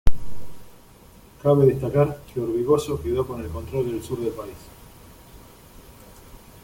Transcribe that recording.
Cabe destacar que Orbegoso quedó con el control del sur del país.